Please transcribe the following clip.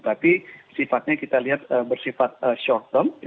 tapi sifatnya kita lihat bersifat short term